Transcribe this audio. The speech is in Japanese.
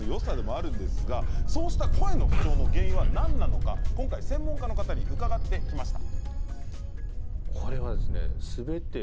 そうした声の不調の原因は何なのか専門家の方に伺ってきました。